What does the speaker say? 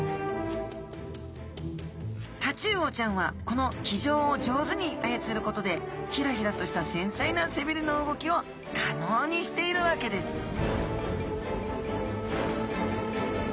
タチウオちゃんはこの鰭条を上手にあやつることでヒラヒラとしたせんさいな背びれの動きを可能にしているわけですさあ